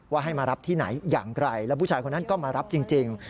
ให้มารับที่ไหนอย่างไรแล้วผู้ชายคนนั้นก็มารับจริง